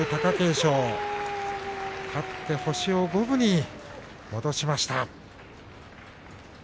勝って星を五分に戻しました。